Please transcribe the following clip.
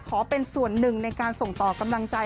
ขอเป็นส่วนหนึ่งในการส่งต่อกำลังใจ